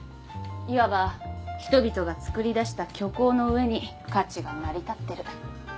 いわば人々がつくりだした虚構の上に価値が成り立ってる。